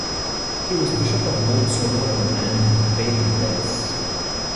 He was Bishop of both Sodor and Man and Bath and Wells.